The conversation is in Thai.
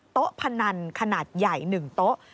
พนันขนาดใหญ่๑โต๊ะ